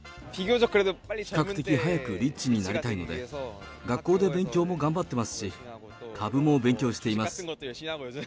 比較的早くリッチになりたいので、学校で勉強も頑張ってますし、株も勉強しています。